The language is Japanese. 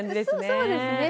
そうですね。